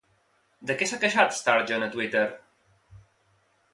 De què s'ha queixat Sturgeon a Twitter?